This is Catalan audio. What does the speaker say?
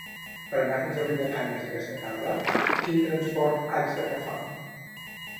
Per anar fins a Riudecanyes aquesta tarda, quin transport haig d'agafar?